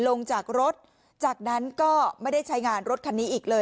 ลงจากรถจากนั้นก็ไม่ได้ใช้งานรถคันนี้อีกเลย